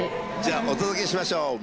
じゃあお届けしましょう。